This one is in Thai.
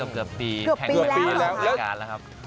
เกือบปีแล้วครับ